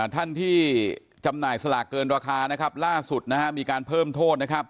ท่านที่จำหน่ายสลากเกินราคาล่าสุดมีการเพิ่มโทษ